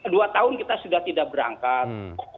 dua tahun kita sudah tidak berangkat